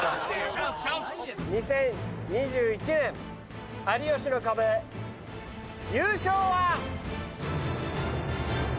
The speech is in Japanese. ２０２１年『有吉の壁』優勝は。